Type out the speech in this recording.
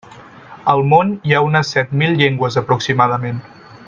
Al món hi ha unes set mil llengües aproximadament.